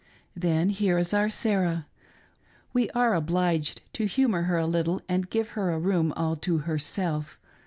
Then, here is our Sarah ; we are obliged to humor her a little, and give her a room all to herself.